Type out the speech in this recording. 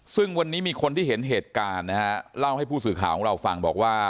ซึ่งวันนี้มีคนที่เห็นเหตุการณ์นะฮะเล่าให้ผู้สื่อข่าวของเราฟังบอกว่า